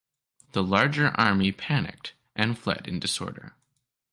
The larger army panicked and fled in disorder.